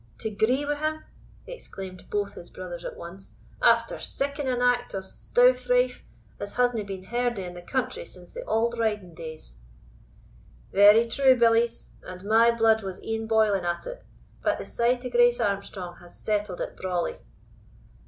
"To gree wi' him!" exclaimed both his brothers at once, "after siccan an act of stouthrife as hasna been heard o' in the country since the auld riding days!" "Very true, billies, and my blood was e'en boiling at it; but the sight o' Grace Armstrong has settled it brawly."